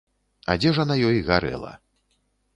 Адзежа на ёй гарэла.